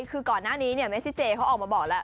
คือก่อนหน้านี้เมซิเจเขาออกมาบอกแล้ว